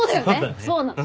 そうなの。